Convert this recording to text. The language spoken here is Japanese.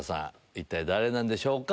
一体誰なんでしょうか。